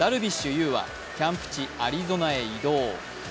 有はキャンプ地アリゾナへ移動。